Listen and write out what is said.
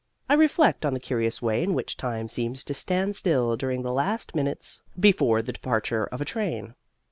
I reflect on the curious way in which time seems to stand still during the last minutes before the departure of a train.